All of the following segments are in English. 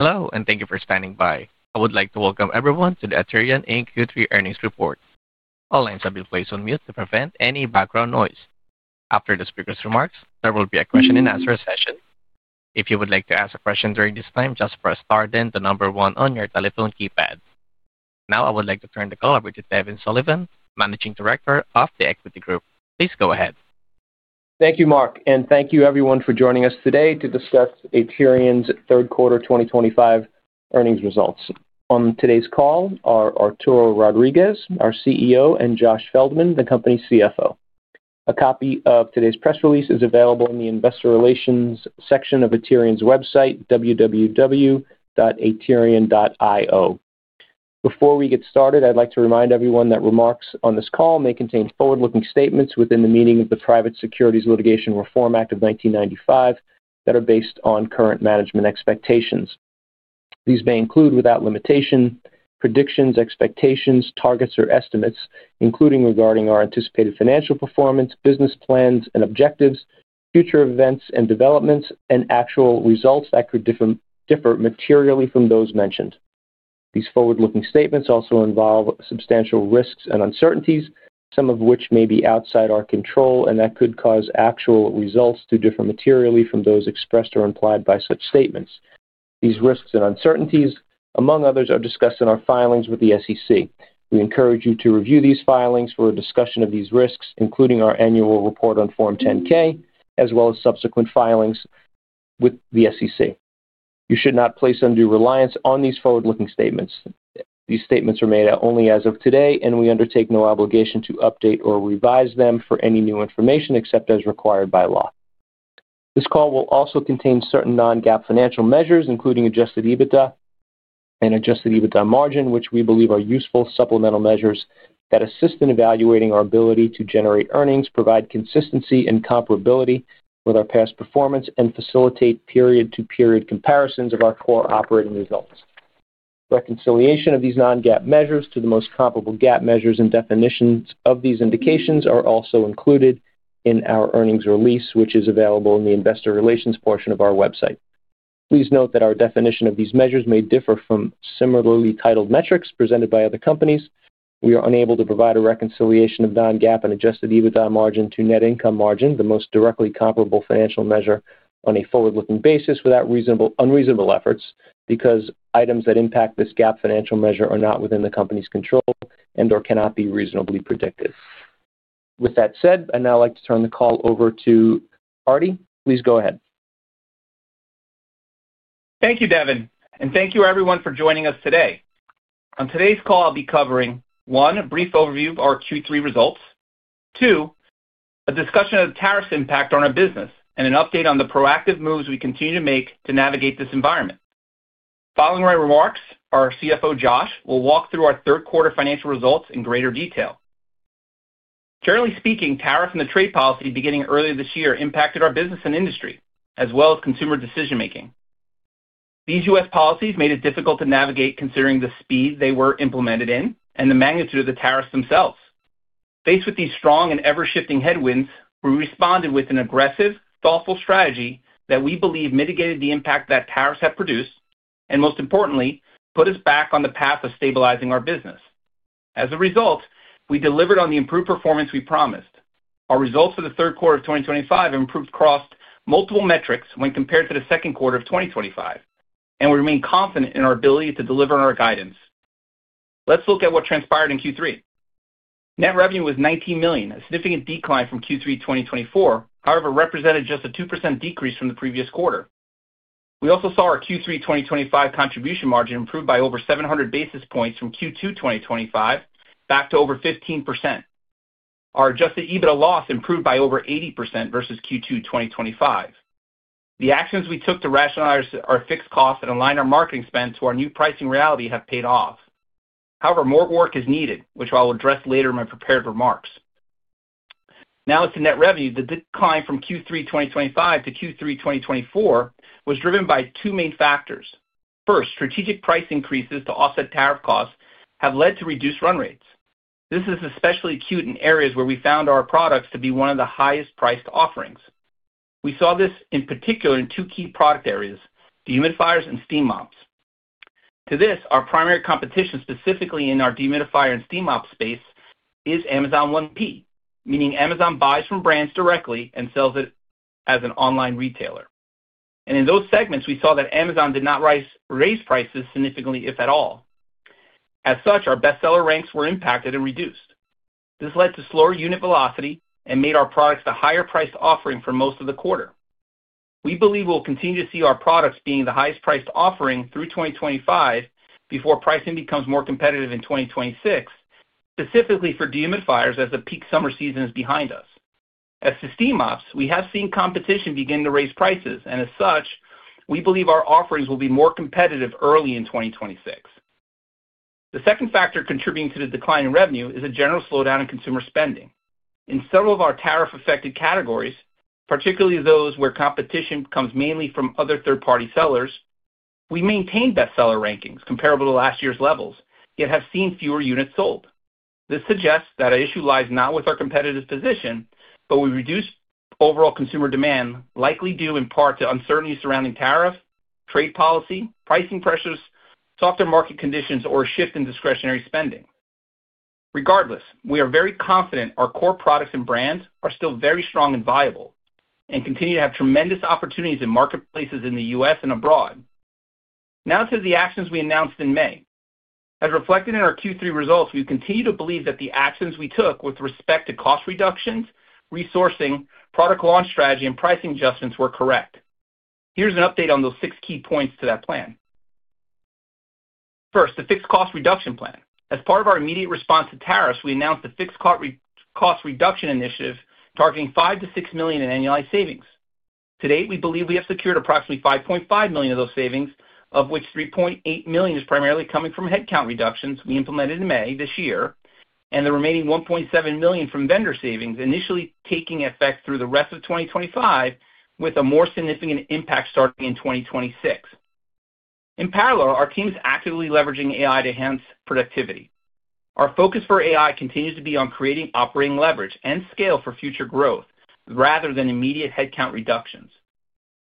Hello, and thank you for standing by. I would like to Welcome Everyone To The Aterian Q3 Earnings Report. All lines have been placed on mute to prevent any background noise. After the speaker's remarks, there will be a question-and-answer session. If you would like to ask a question during this time, just press * then the number 1 on your telephone keypad. Now, I would like to turn the call over to Devin Sullivan, Managing Director of the Equity Group. Please go ahead. Thank you, Mark, and thank you, everyone, for joining us today to discuss Aterian's Third Quarter 2025 Earnings Results. On today's call are Arturo Rodriguez, our CEO, and Josh Feldman, the company's CFO. A copy of today's press release is available in the Investor Relations section of Aterian's website, www.aterian.io. Before we get started, I'd like to remind everyone that remarks on this call may contain forward-looking statements within the meaning of the Private Securities Litigation Reform Act of 1995 that are based on current management expectations. These may include, without limitation, predictions, expectations, targets, or estimates, including regarding our anticipated financial performance, business plans and objectives, future events and developments, and actual results that could differ materially from those mentioned. These forward-looking statements also involve substantial risks and uncertainties, some of which may be outside our control and that could cause actual results to differ materially from those expressed or implied by such statements. These risks and uncertainties, among others, are discussed in our filings with the SEC. We encourage you to review these filings for a discussion of these risks, including our annual report on Form 10-K, as well as subsequent filings with the SEC. You should not place undue reliance on these forward-looking statements. These statements are made only as of today, and we undertake no obligation to update or revise them for any new information except as required by law. This call will also contain certain non-GAAP financial measures, including Adjusted EBITDA and Adjusted EBITDA margin, which we believe are useful supplemental measures that assist in evaluating our ability to generate earnings, provide consistency and comparability with our past performance, and facilitate period-to-period comparisons of our core operating results. Reconciliation of these non-GAAP measures to the most comparable GAAP measures and definitions of these indications are also included in our earnings release, which is available in the Investor Relations portion of our website. Please note that our definition of these measures may differ from similarly titled metrics presented by other companies. We are unable to provide a reconciliation of non-GAAP and Adjusted EBITDA margin to net income margin, the most directly comparable financial measure on a forward-looking basis without unreasonable efforts because items that impact this GAAP financial measure are not within the company's control and/or cannot be reasonably predicted. With that said, I'd now like to turn the call over to Artie. Please go ahead. Thank you, Devin, and thank you, everyone, for joining us today. On today's call, I'll be covering: one, a brief overview of our Q3 results; two, a discussion of the tariffs' impact on our business; and an update on the proactive moves we continue to make to navigate this environment. Following my remarks, our CFO, Josh, will walk through our third quarter financial results in greater detail. Generally speaking, tariffs and the trade policy beginning earlier this year impacted our business and industry, as well as consumer decision-making. These U.S. policies made it difficult to navigate considering the speed they were implemented in and the magnitude of the tariffs themselves. Faced with these strong and ever-shifting headwinds, we responded with an aggressive, thoughtful strategy that we believe mitigated the impact that tariffs have produced and, most importantly, put us back on the path of stabilizing our business. As a result, we delivered on the improved performance we promised. Our results for the third quarter of 2025 have improved across multiple metrics when compared to the second quarter of 2025, and we remain confident in our ability to deliver on our guidance. Let's look at what transpired in Q3. Net revenue was $19 million, a significant decline from Q3 2024. However, it represented just a 2% decrease from the previous quarter. We also saw our Q3 2025 Contribution Margin improve by over 700 basis points from Q2 2025, back to over 15%. Our Adjusted EBITDA loss improved by over 80% versus Q2 2025. The actions we took to rationalize our Fixed costs and align our marketing spend to our new pricing reality have paid off. However, more work is needed, which I'll address later in my prepared remarks. Now, as to Net Revenue, the decline from Q3 2025 to Q3 2024 was driven by two main factors. First, strategic price increases to offset tariff costs have led to reduced run rates. This is especially acute in areas where we found our products to be one of the highest-priced offerings. We saw this in particular in two key product areas: dehumidifiers and steam mops. To this, our primary competition, specifically in our dehumidifier and steam mop space, is Amazon One P, meaning Amazon buys from brands directly and sells it as an online retailer. In those segments, we saw that Amazon did not raise prices significantly, if at all. As such, our bestseller ranks were impacted and reduced. This led to slower unit velocity and made our products the higher-priced offering for most of the quarter. We believe we will continue to see our products being the highest-priced offering through 2025 before pricing becomes more competitive in 2026, specifically for dehumidifiers as the peak summer season is behind us. As for steam mops, we have seen competition begin to raise prices, and as such, we believe our offerings will be more competitive early in 2026. The second factor contributing to the decline in revenue is a general slowdown in consumer spending. In several of our tariff-affected categories, particularly those where competition comes mainly from other third-party sellers, we maintained bestseller rankings comparable to last year's levels, yet have seen fewer units sold. This suggests that an issue lies not with our competitive position, but we've reduced overall consumer demand, likely due in part to uncertainty surrounding tariffs, trade policy, pricing pressures, softer market conditions, or a shift in discretionary spending. Regardless, we are very confident our core products and brands are still very strong and viable and continue to have tremendous opportunities in marketplaces in the U.S. and abroad. Now, to the actions we announced in May. As reflected in our Q3 results, we continue to believe that the actions we took with respect to cost reductions, resourcing, product launch strategy, and pricing adjustments were correct. Here's an update on those six key points to that plan. First, the fixed cost reduction plan. As part of our immediate response to tariffs, we announced the fixed cost reduction initiative targeting $5 to $6 million in annualized savings. To date, we believe we have secured approximately $5.5 million of those savings, of which $3.8 million is primarily coming from headcount reductions we implemented in May this year and the remaining $1.7 million from vendor savings, initially taking effect through the rest of 2025, with a more significant impact starting in 2026. In parallel, our team is actively leveraging AI to enhance productivity. Our focus for AI continues to be on creating operating leverage and scale for future growth rather than immediate headcount reductions.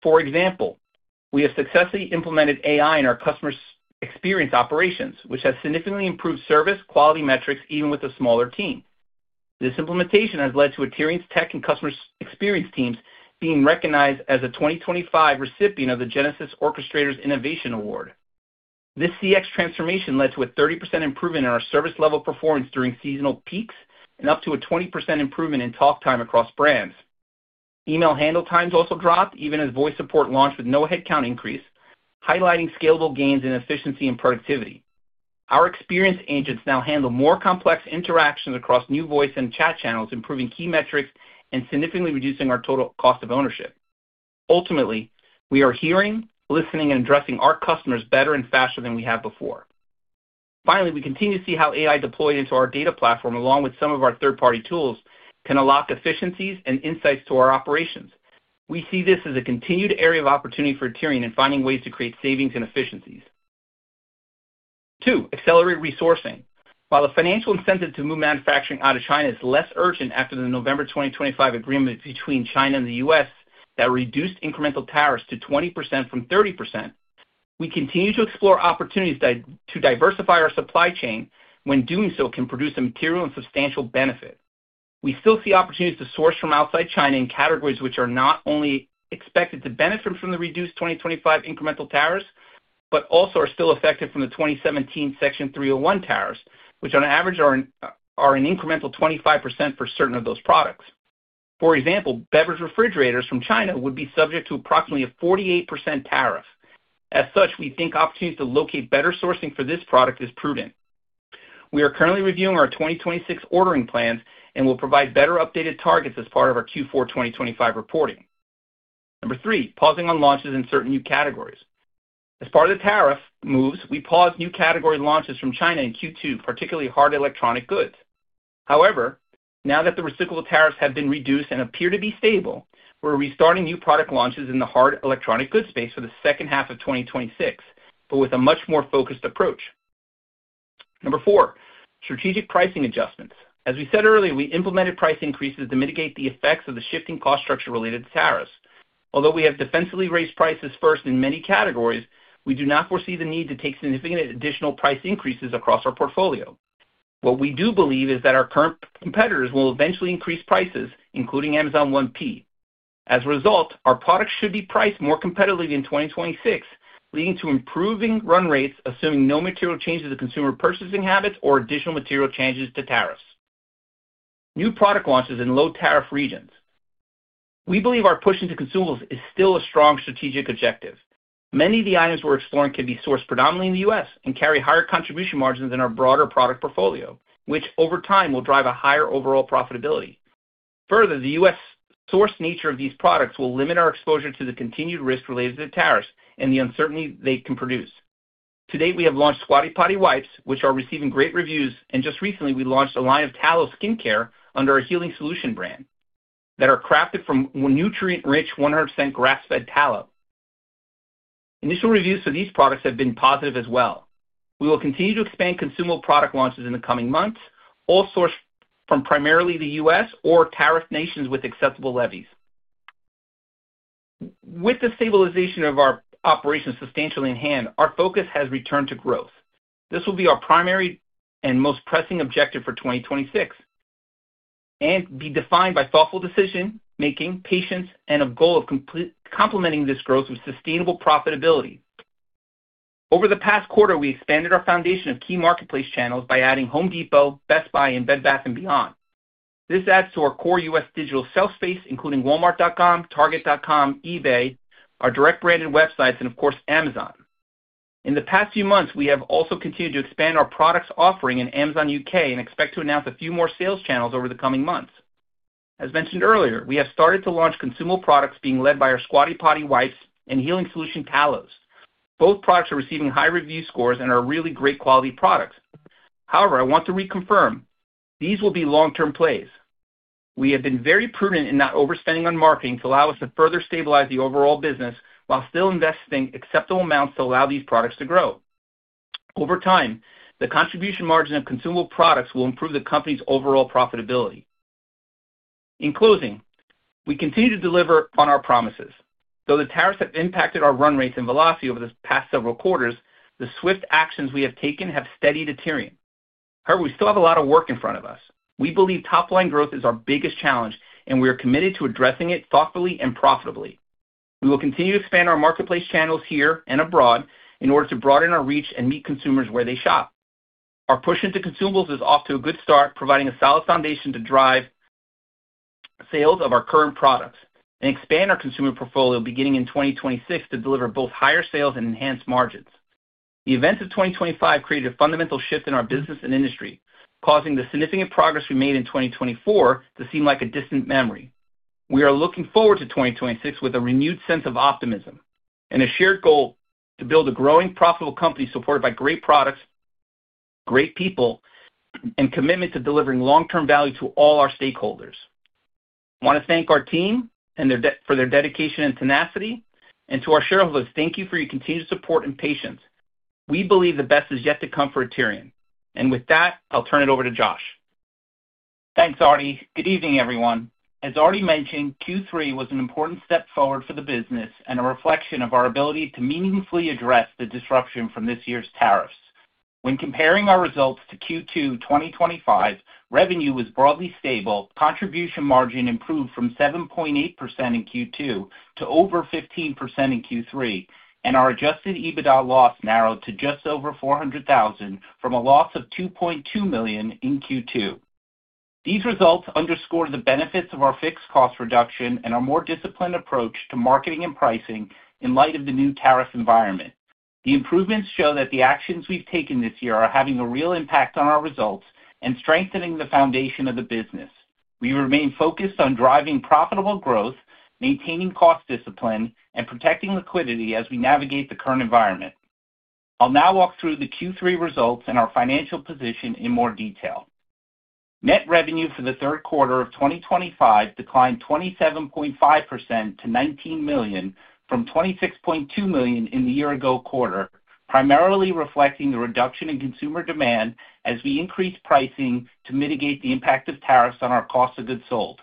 For example, we have successfully implemented AI in our customer experience operations, which has significantly improved service quality metrics even with a smaller team. This implementation has led to Aterian's tech and customer experience teams being recognized as a 2025 recipient of the Genesis Orchestrators Innovation Award. This CX transformation led to a 30% improvement in our service-level performance during seasonal peaks and up to a 20% improvement in talk time across brands. Email handle times also dropped even as voice support launched with no headcount increase, highlighting scalable gains in efficiency and productivity. Our experienced agents now handle more complex interactions across new voice and chat channels, improving key metrics and significantly reducing our total cost of ownership. Ultimately, we are hearing, listening, and addressing our customers better and faster than we have before. Finally, we continue to see how AI deployed into our data platform, along with some of our third-party tools, can unlock efficiencies and insights to our operations. We see this as a continued area of opportunity for Aterian in finding ways to create savings and efficiencies. Two, accelerate resourcing. While the financial incentive to move manufacturing out of China is less urgent after the November 2025 agreement between China and the U.S. that reduced incremental tariffs to 20% to 30%, we continue to explore opportunities to diversify our supply chain when doing so can produce a material and substantial benefit. We still see opportunities to source from outside China in categories which are not only expected to benefit from the reduced 2025 incremental tariffs but also are still affected from the 2017 Section 301 tariffs, which on average are an incremental 25% for certain of those products. For example, beverage refrigerators from China would be subject to approximately a 48% tariff. As such, we think opportunities to locate better sourcing for this product are prudent. We are currently reviewing our 2026 ordering plans and will provide better updated targets as part of our Q4 2025 reporting. Number three, pausing on launches in certain new categories. As part of the tariff moves, we paused new category launches from China in Q2, particularly hard electronic goods. However, now that the recyclable tariffs have been reduced and appear to be stable, we're restarting new product launches in the hard electronic goods space for the second half of 2026, but with a much more focused approach. Number four, strategic pricing adjustments. As we said earlier, we implemented price increases to mitigate the effects of the shifting cost structure related to tariffs. Although we have defensively raised prices first in many categories, we do not foresee the need to take significant additional price increases across our portfolio. What we do believe is that our current competitors will eventually increase prices, including Amazon 1P. As a result, our products should be priced more competitively in 2026, leading to improving run rates assuming no material changes to consumer purchasing habits or additional material changes to tariffs. New product launches in low tariff regions. We believe our push into consumables is still a strong strategic objective. Many of the items we're exploring can be sourced predominantly in the U.S. and carry higher contribution margins than our broader product portfolio, which over time will drive a higher overall profitability. Further, the U.S. source nature of these products will limit our exposure to the continued risk related to tariffs and the uncertainty they can produce. To date, we have launched Squatty Potty Wipes, which are receiving great reviews, and just recently, we launched a line of Talo skincare under our Healing Solution brand that are crafted from nutrient-rich 100% grass-fed tallow. Initial reviews for these products have been positive as well. We will continue to expand consumable product launches in the coming months, all sourced from primarily the U.S. or tariffed nations with acceptable levies. With the stabilization of our operations substantially in hand, our focus has returned to growth. This will be our primary and most pressing objective for 2026 and be defined by thoughtful decision-making, patience, and a goal of complementing this growth with sustainable profitability. Over the past quarter, we expanded our foundation of key marketplace channels by adding Home Depot, Best Buy, and Bed Bath & Beyond. This adds to our core U.S. digital sales space, including Walmart.com, Target.com, eBay, our direct-branded websites, and of course, Amazon. In the past few months, we have also continued to expand our products offering in Amazon U.K. and expect to announce a few more sales channels over the coming months. As mentioned earlier, we have started to launch consumable products being led by our Squatty Potty Wipes and Healing Solution Talo. Both products are receiving high review scores and are really great quality products. However, I want to reconfirm these will be long-term plays. We have been very prudent in not overspending on marketing to allow us to further stabilize the overall business while still investing acceptable amounts to allow these products to grow. Over time, the contribution margin of consumable products will improve the company's overall profitability. In closing, we continue to deliver on our promises. Though the tariffs have impacted our run rates and velocity over the past several quarters, the swift actions we have taken have steadied Aterian. However, we still have a lot of work in front of us. We believe top-line growth is our biggest challenge, and we are committed to addressing it thoughtfully and profitably. We will continue to expand our marketplace channels here and abroad in order to broaden our reach and meet consumers where they shop. Our push into consumables is off to a good start, providing a solid foundation to drive sales of our current products and expand our consumer portfolio beginning in 2026 to deliver both higher sales and enhanced margins. The events of 2025 created a fundamental shift in our business and industry, causing the significant progress we made in 2024 to seem like a distant memory. We are looking forward to 2026 with a renewed sense of optimism and a shared goal to build a growing, profitable company supported by great products, great people, and commitment to delivering long-term value to all our stakeholders. I want to thank our team for their dedication and tenacity, and to our shareholders, thank you for your continued support and patience. We believe the best is yet to come for Aterian. With that, I'll turn it over to Josh. Thanks, Arti. Good evening, everyone. As Arti mentioned, Q3 was an important step forward for the business and a reflection of our ability to meaningfully address the disruption from this year's tariffs. When comparing our results to Q2 2025, revenue was broadly stable, Contribution Margin improved from 7.8% in Q2 to over 15% in Q3, and our Adjusted EBITDA loss narrowed to just over $400,000 from a loss of $2.2 million in Q2. These results underscore the benefits of our fixed cost reduction and our more disciplined approach to marketing and pricing in light of the new tariff environment. The improvements show that the actions we've taken this year are having a real impact on our results and strengthening the foundation of the business. We remain focused on driving profitable growth, maintaining cost discipline, and protecting liquidity as we navigate the current environment. I'll now walk through the Q3 results and our financial position in more detail. Net Revenue for the third quarter of 2025 declined 27.5% to $19 million from $26.2 million in the year-ago quarter, primarily reflecting the reduction in consumer demand as we increase pricing to mitigate the impact of tariffs on our Cost Of Goods Sold.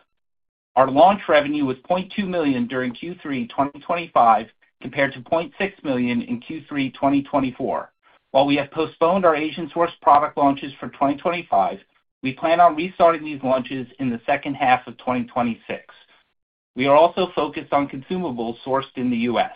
Our launch revenue was $0.2 million during Q3 2025 compared to $0.6 million in Q3 2024. While we have postponed our Asian-sourced product launches for 2025, we plan on restarting these launches in the second half of 2026. We are also focused on consumables sourced in the U.S.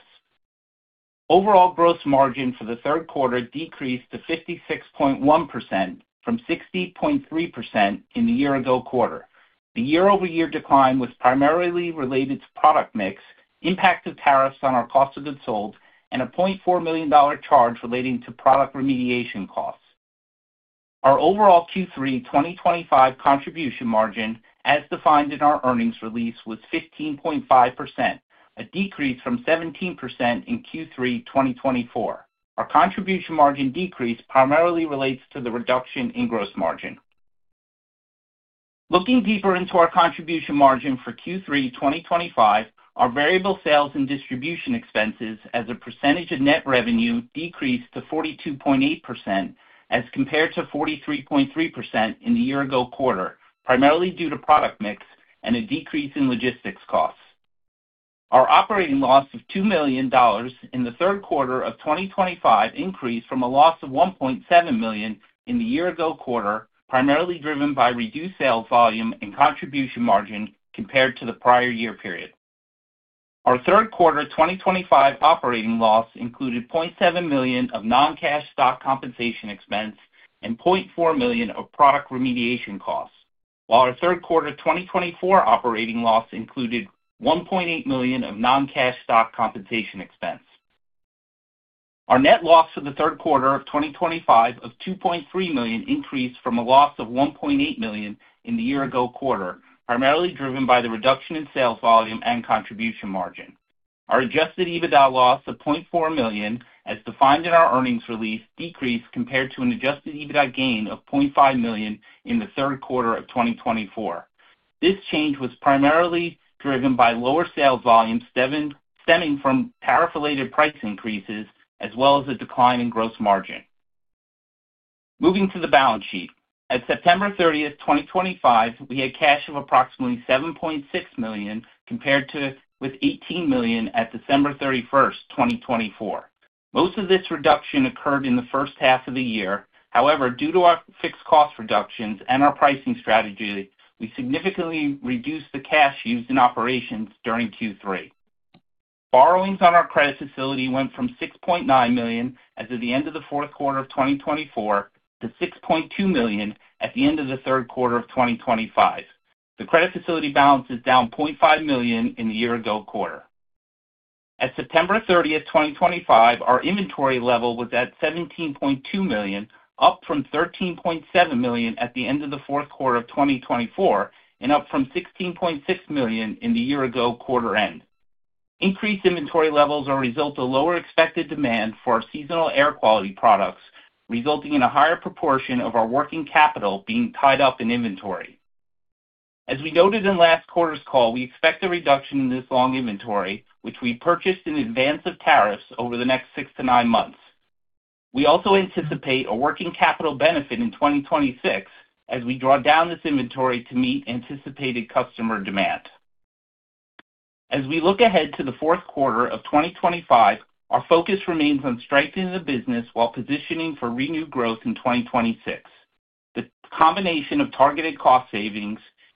Overall Gross Margin for the third quarter decreased to 56.1% from 60.3% in the year-ago quarter. The year-over-year decline was primarily related to product mix, impact of tariffs on our cost of goods sold, and a $0.4 million charge relating to product remediation costs. Our overall Q3 2025 Contribution Margin, as defined in our earnings release, was 15.5%, a decrease from 17% in Q3 2024. Our Contribution Margin decrease primarily relates to the reduction in Gross Margin. Looking deeper into our contribution margin for Q3 2025, our variable sales and distribution expenses as a percentage of Net Revenue decreased to 42.8% as compared to 43.3% in the year-ago quarter, primarily due to product mix and a decrease in logistics costs. Our operating loss of $2 million in the third quarter of 2025 increased from a loss of $1.7 million in the year-ago quarter, primarily driven by reduced sales volume and Contribution Margin compared to the prior year period. Our third quarter 2025 operating loss included $0.7 million of non-cash stock compensation expense and $0.4 million of product remediation costs, while our third quarter 2024 operating loss included $1.8 million of non-cash stock compensation expense. Our net loss for the third quarter of 2025 of $2.3 million increased from a loss of $1.8 million in the year-ago quarter, primarily driven by the reduction in sales volume and Contribution Margin. Our Adjusted EBITDA loss of $0.4 million, as defined in our earnings release, decreased compared to an Adjusted EBITDA gain of $0.5 million in the third quarter of 2024. This change was primarily driven by lower sales volumes stemming from tariff-related price increases as well as a decline in gross margin. Moving to the Balance sheet, at September 30, 2025, we had cash of approximately $7.6 million compared to $18 million at December 31, 2024. Most of this reduction occurred in the first half of the year. However, due to our fixed cost reductions and our pricing strategy, we significantly reduced the cash used in operations during Q3. Borrowings on our credit facility went from $6.9 million as of the end of the fourth quarter of 2024 to $6.2 million at the end of the third quarter of 2025. The credit facility balance is down $0.5 million in the year-ago quarter. At September 30, 2025, our inventory level was at $17.2 million, up from $13.7 million at the end of the fourth quarter of 2024 and up from $16.6 million in the year-ago quarter end. Increased inventory levels are a result of lower expected demand for our seasonal air quality products, resulting in a higher proportion of our working capital being tied up in inventory. As we noted in last quarter's call, we expect a reduction in this long inventory, which we purchased in advance of tariffs over the next six to nine months. We also anticipate a working capital benefit in 2026 as we draw down this inventory to meet anticipated customer demand. As we look ahead to the fourth quarter of 2025, our focus remains on strengthening the business while positioning for renewed growth in 2026. The combination of targeted cost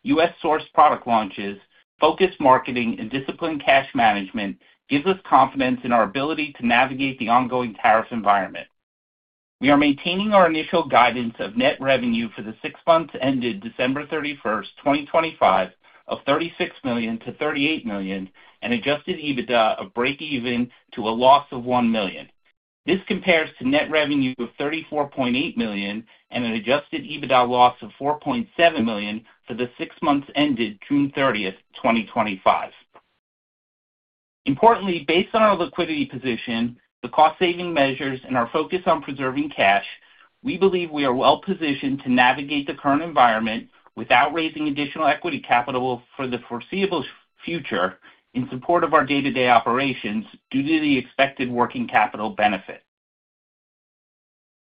savings, U.S. Sourced product launches, focused marketing, and disciplined cash management gives us confidence in our ability to navigate the ongoing tariff environment. We are maintaining our initial guidance of Net Revenue for the six months ended December 31, 2025, of $36 million to $38 million and Adjusted EBITDA of break-even to a loss of $1 million. This compares to Net Revenue of $34.8 million and an Adjusted EBITDA loss of $4.7 million for the six months ended June 30, 2025. Importantly, based on our liquidity position, the cost-saving measures, and our focus on preserving cash, we believe we are well-positioned to navigate the current environment without raising additional equity capital for the foreseeable future in support of our day-to-day operations due to the expected working capital benefit.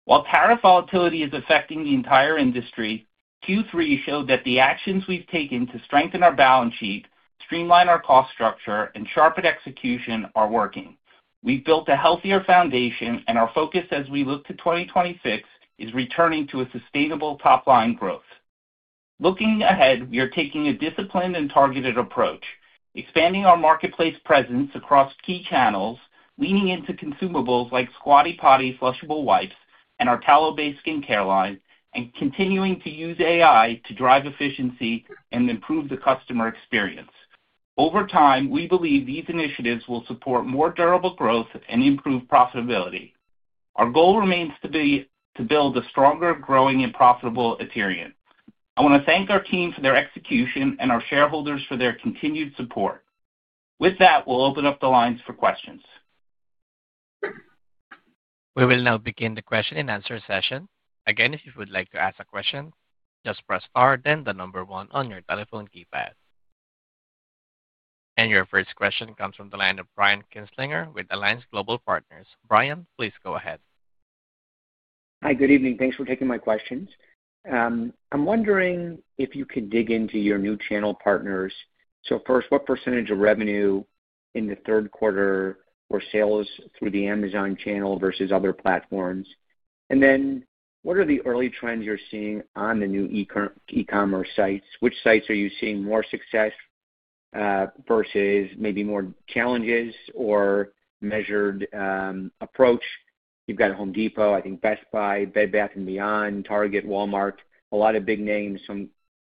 While tariff volatility is affecting the entire industry, Q3 showed that the actions we've taken to strengthen our balance sheet, streamline our cost structure, and sharpen execution are working. We've built a healthier foundation, and our focus as we look to 2026 is returning to a sustainable top-line growth. Looking ahead, we are taking a disciplined and targeted approach, expanding our marketplace presence across key channels, leaning into consumables like Squatty Potty flushable wipes and our Talo-based skincare line, and continuing to use AI to drive efficiency and improve the customer experience. Over time, we believe these initiatives will support more durable growth and improve profitability. Our goal remains to build a stronger, growing, and profitable Aterian. I want to thank our team for their execution and our shareholders for their continued support. With that, we'll open up the lines for questions. We will now begin the question and answer session. Again, if you would like to ask a question, just press R, then the number one on your telephone keypad. Your first question comes from the line of Brian Kinstlinger with Alliance Global Partners. Brian, please go ahead. Hi, good evening. Thanks for taking my questions. I'm wondering if you could dig into your new channel partners. First, what percentage of revenue in the third quarter were sales through the Amazon channel versus other platforms? What are the early trends you're seeing on the new e-commerce sites? Which sites are you seeing more success versus maybe more challenges or a measured approach? You've got Home Depot, I think Best Buy, Bed Bath & Beyond, Target, Walmart, a lot of big names. I'm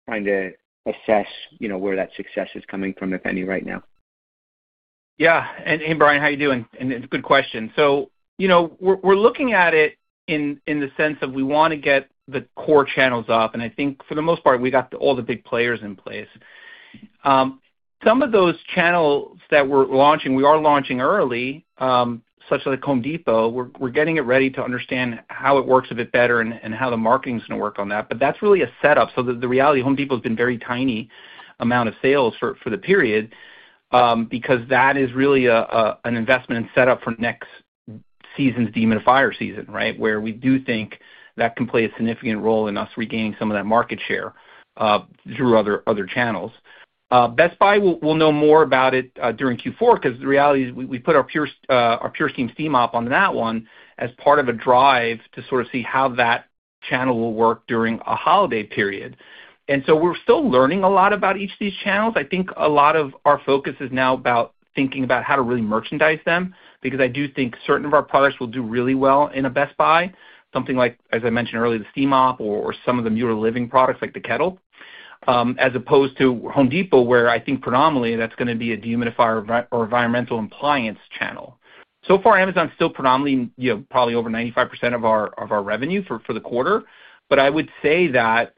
trying to assess where that success is coming from, if any, right now. Yeah. Hey, Brian, how are you doing? It's a good question. We're looking at it in the sense of we want to get the core channels off. I think for the most part, we got all the big players in place. Some of those channels that we're launching, we are launching early, such as Home Depot. We're getting it ready to understand how it works a bit better and how the marketing is going to work on that. That's really a setup. The reality is Home Depot has been a very tiny amount of sales for the period because that is really an investment and setup for next season's dehumidifier season, right, where we do think that can play a significant role in us regaining some of that market share through other channels. Best Buy, we'll know more about it during Q4 because the reality is we put our PureSteam steam mop on that one as part of a drive to sort of see how that channel will work during a holiday period. We're still learning a lot about each of these channels. I think a lot of our focus is now about thinking about how to really merchandise them because I do think certain of our products will do really well in a Best Buy, something like, as I mentioned earlier, the steam mop or some of the Mueller Living products like the kettle, as opposed to Home Depot, where I think predominantly that's going to be a dehumidifier or environmental compliance channel. So far, Amazon's still predominantly probably over 95% of our revenue for the quarter. I would say that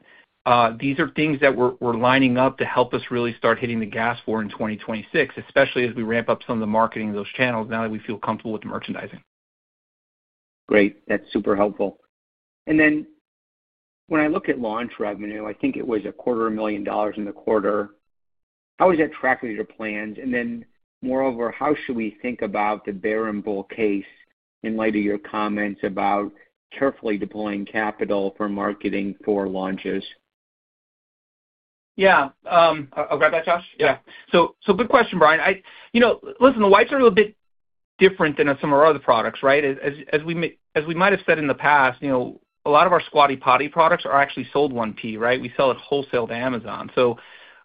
these are things that we're lining up to help us really start hitting the gas for in 2026, especially as we ramp up some of the marketing of those channels now that we feel comfortable with merchandising. Great. That's super helpful. When I look at launch revenue, I think it was a quarter of a million dollars in the quarter. How is that tracking your plans? Moreover, how should we think about the bare and bold case in light of your comments about carefully deploying capital for marketing for launches? Yeah. I'll grab that, Josh. Yeah. Good question, Brian. Listen, the wipes are a little bit different than some of our other products, right? As we might have said in the past, a lot of our Squatty Potty products are actually sold one-pie, right? We sell it wholesale to Amazon.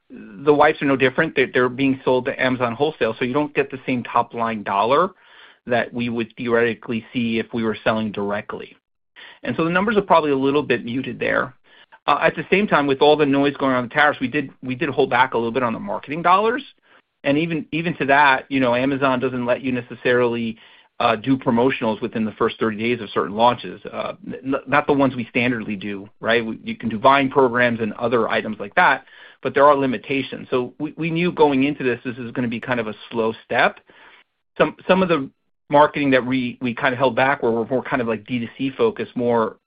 The wipes are no different. They're being sold to Amazon wholesale. You don't get the same top-line dollar that we would theoretically see if we were selling directly. The numbers are probably a little bit muted there. At the same time, with all the noise going on with the tariffs, we did hold back a little bit on the marketing dollars. Even to that, Amazon doesn't let you necessarily do promotionals within the first 30 days of certain launches, not the ones we standardly do, right? You can do buying programs and other items like that, but there are limitations. We knew going into this this is going to be kind of a slow step. Some of the marketing that we kind of held back were more kind of like D2C focus, more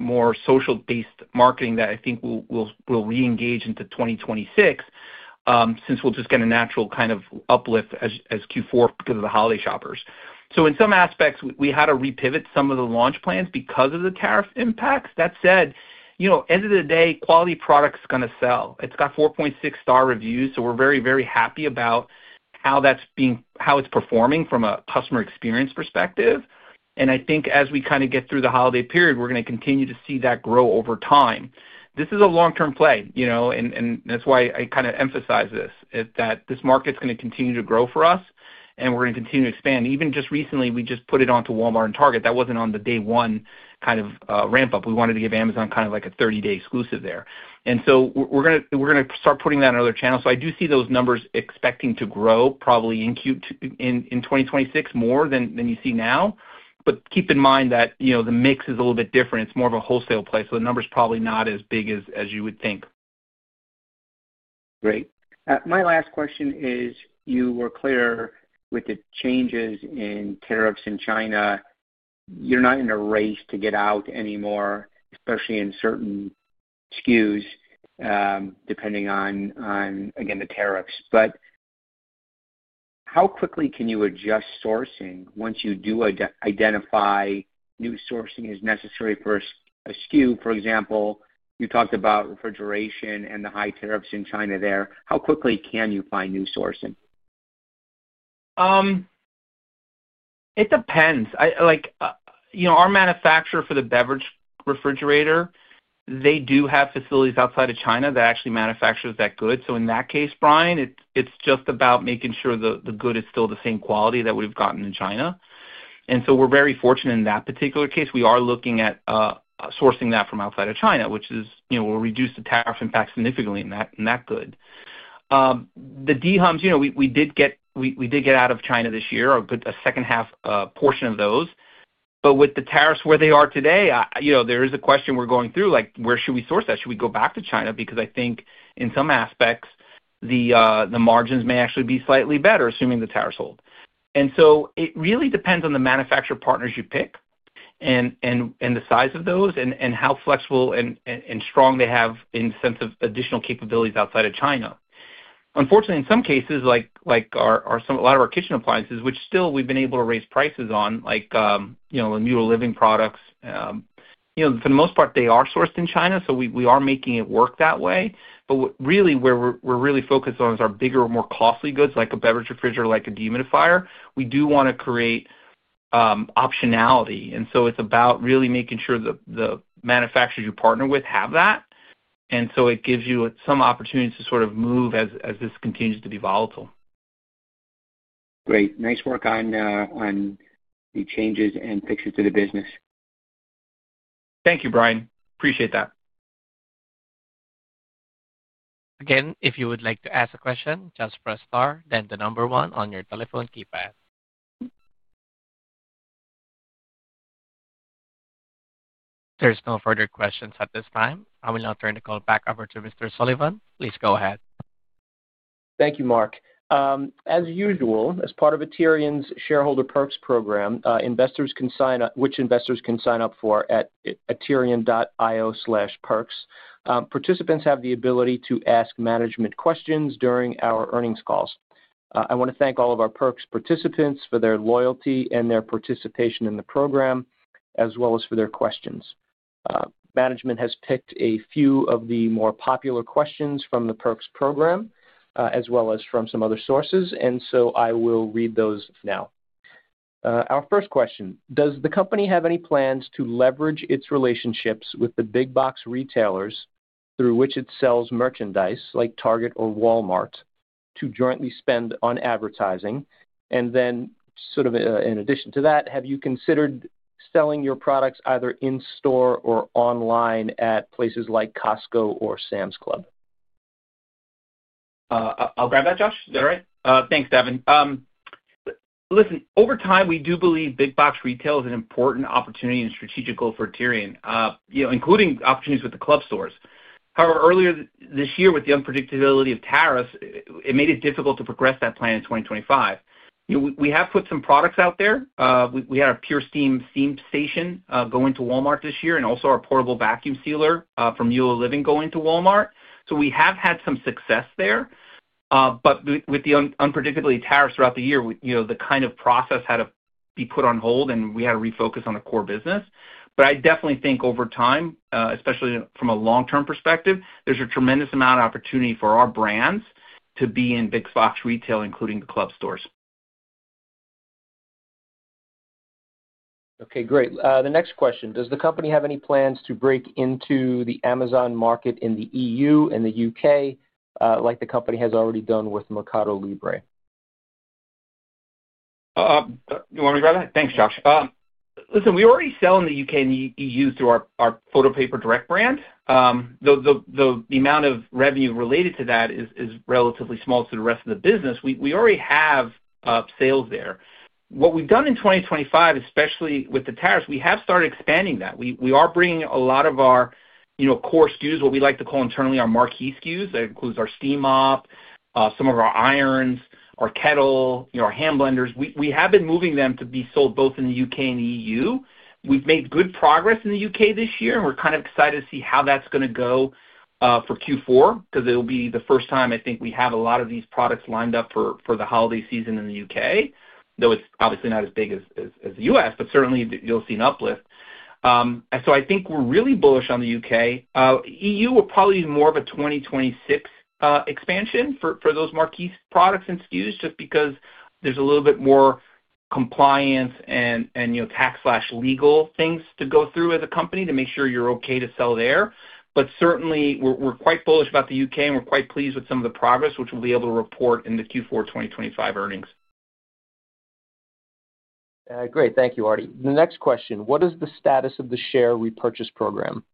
social-based marketing that I think we'll re-engage into 2026 since we'll just get a natural kind of uplift as Q4 because of the holiday shoppers. In some aspects, we had to repivot some of the launch plans because of the tariff impacts. That said, end of the day, quality product is going to sell. It's got 4.6-star reviews. We're very, very happy about how it's performing from a customer experience perspective. I think as we kind of get through the holiday period, we're going to continue to see that grow over time. This is a long-term play. That's why I kind of emphasize this, that this market's going to continue to grow for us, and we're going to continue to expand. Even just recently, we just put it onto Walmart and Target. That was not on the day-one kind of ramp-up. We wanted to give Amazon kind of like a 30-day exclusive there. We are going to start putting that on other channels. I do see those numbers expecting to grow probably in 2026 more than you see now. Keep in mind that the mix is a little bit different. It is more of a wholesale play. The number is probably not as big as you would think. Great. My last question is, you were clear with the changes in tariffs in China. You are not in a race to get out anymore, especially in certain SKUs, depending on, again, the tariffs. How quickly can you adjust sourcing once you do identify new sourcing is necessary for a SKU? For example, you talked about refrigeration and the high tariffs in China there. How quickly can you find new sourcing? It depends. Our manufacturer for the beverage refrigerator, they do have facilities outside of China that actually manufactures that good. In that case, Brian, it's just about making sure the good is still the same quality that we've gotten in China. We are very fortunate in that particular case. We are looking at sourcing that from outside of China, which will reduce the tariff impact significantly in that good. The dehumidifiers, we did get out of China this year, a second-half portion of those. With the tariffs where they are today, there is a question we're going through, like, where should we source that? Should we go back to China? Because I think in some aspects, the margins may actually be slightly better, assuming the tariffs hold. It really depends on the manufacturer partners you pick and the size of those and how flexible and strong they have in the sense of additional capabilities outside of China. Unfortunately, in some cases, like a lot of our kitchen appliances, which still we've been able to raise prices on, like the Mueller Living products, for the most part, they are sourced in China. We are making it work that way. Really, where we're really focused on is our bigger, more costly goods, like a beverage refrigerator, like a dehumidifier. We do want to create optionality. It is about really making sure that the manufacturers you partner with have that. It gives you some opportunities to sort of move as this continues to be volatile. Great. Nice work on the changes and fixes to the business. Thank you, Brian. Appreciate that. Again, if you would like to ask a question, just press R, then the number one on your telephone keypad. There are no further questions at this time. I will now turn the call back over to Mr. Sullivan. Please go ahead. Thank you, Mark. As usual, as part of Aterian's shareholder perks program, investors can sign up, which investors can sign up for at aterian.io/perks. Participants have the ability to ask management questions during our earnings calls. I want to thank all of our perks participants for their loyalty and their participation in the program, as well as for their questions. Management has picked a few of the more popular questions from the perks program, as well as from some other sources. I will read those now. Our first question: Does the company have any plans to leverage its relationships with the big-box retailers through which it sells merchandise, like Target or Walmart, to jointly spend on advertising? In addition to that, have you considered selling your products either in store or online at places like Costco or Sam's Club? I'll grab that, Josh. Is that all right? Thanks, Devin. Listen, over time, we do believe big-box retail is an important opportunity and strategic goal for Aterian, including opportunities with the club stores. However, earlier this year, with the unpredictability of tariffs, it made it difficult to progress that plan in 2025. We have put some products out there. We had our PureSteam Steam Station go into Walmart this year, and also our portable vacuum sealer from Mueller Living go into Walmart. We have had some success there. With the unpredictability of tariffs throughout the year, the kind of process had to be put on hold, and we had to refocus on the core business. I definitely think over time, especially from a long-term perspective, there is a tremendous amount of opportunity for our brands to be in big-box retail, including the club stores. Okay, great. The next question: Does the company have any plans to break into the Amazon market in the U.K. and the EU, like the company has already done with Mercado Libre? You want me to grab that? Thanks, Josh. Listen, we already sell in the U.K. and the EU through our Photo Paper Direct brand. The amount of revenue related to that is relatively small to the rest of the business. We already have sales there. What we've done in 2025, especially with the tariffs, we have started expanding that. We are bringing a lot of our core SKUs, what we like to call internally our marquee SKUs. That includes our steam mop, some of our irons, our kettle, our hand blenders. We have been moving them to be sold both in the U.K. and the EU. We've made good progress in the U.K. this year, and we're kind of excited to see how that's going to go for Q4 because it will be the first time, I think, we have a lot of these products lined up for the holiday season in the U.K., though it's obviously not as big as the U.S., but certainly you'll see an uplift. I think we're really bullish on the U.K. EU will probably be more of a 2026 expansion for those marquee products and SKUs just because there's a little bit more compliance and tax/legal things to go through as a company to make sure you're okay to sell there. Certainly, we're quite bullish about the U.K., and we're quite pleased with some of the progress, which we'll be able to report in the Q4 2025 earnings. Great. Thank you, Artie. The next question: What is the status of the share repurchase program?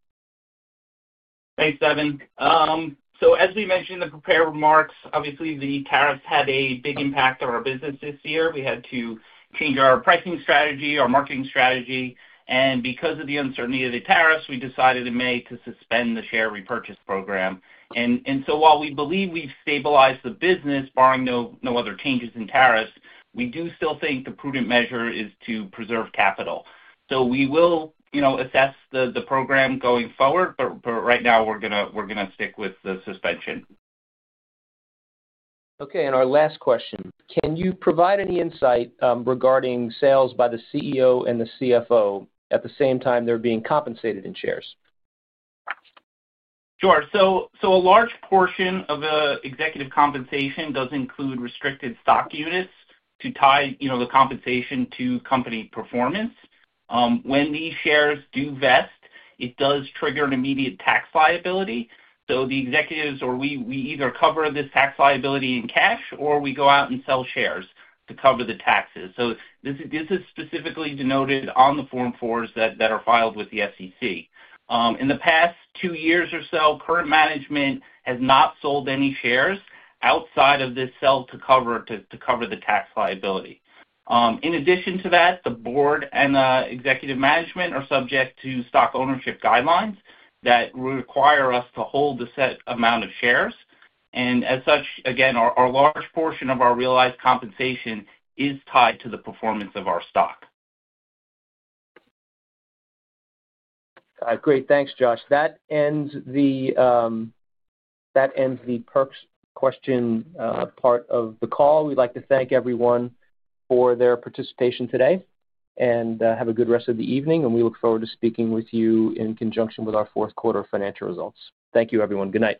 Thanks, Devin. As we mentioned in the prepared remarks, obviously, the tariffs had a big impact on our business this year. We had to change our pricing strategy, our marketing strategy. Because of the uncertainty of the tariffs, we decided in May to suspend the share repurchase program. While we believe we've stabilized the business, barring no other changes in tariffs, we do still think the prudent measure is to preserve capital. We will assess the program going forward, but right now, we're going to stick with the suspension Okay. Our last question: Can you provide any insight regarding sales by the CEO and the CFO at the same time they're being compensated in shares? Sure. A large portion of the executive compensation does include restricted stock units to tie the compensation to company performance. When these shares do vest, it does trigger an immediate tax liability. The executives, or we, either cover this tax liability in cash, or we go out and sell shares to cover the taxes. This is specifically denoted on the Form 4s that are filed with the SEC. In the past two years or so, current management has not sold any shares outside of this sell-to-cover to cover the tax liability. In addition to that, the board and executive management are subject to stock ownership guidelines that require us to hold a set amount of shares. As such, again, a large portion of our realized compensation is tied to the performance of our stock. Great. Thanks, Josh. That ends the perks question part of the call. We'd like to thank everyone for their participation today and have a good rest of the evening. We look forward to speaking with you in conjunction with our fourth quarter financial results. Thank you, everyone. Good night.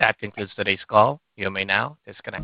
That concludes today's call. You may now disconnect.